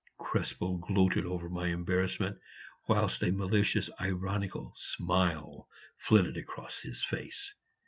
Krespel gloated over my embarrassment, whilst a malicious ironical smile flitted across his face.